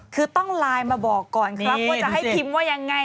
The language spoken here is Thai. คือต้องไลน์มาบอกก่อนครับว่าจะให้พิมพ์ว่ายังไง